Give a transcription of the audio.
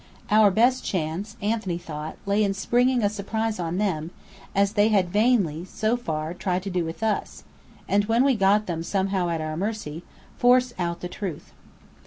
Our best chance, Anthony thought, lay in springing a surprise on them, as they had vainly (so far) tried to do with us; and when we got them somehow at our mercy, force out the truth.